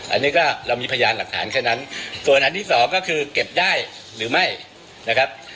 อันนี้ก็เรามีพยานหลักฐานแค่นั้นส่วนอันที่สองก็คือเก็บได้หรือไม่นะครับ